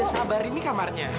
ya udah sabar ini kamarnya